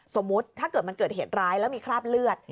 สมมุติถ้าเกิดมันเกิดเหตุร้ายแล้วมีคราบเลือด